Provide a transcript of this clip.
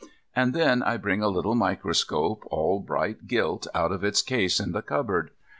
And then I bring a little microscope, all bright gilt, out of its case in the cupboard.